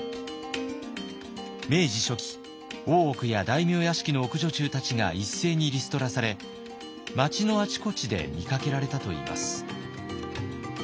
明治初期大奥や大名屋敷の奥女中たちが一斉にリストラされ町のあちこちで見かけられたといいます。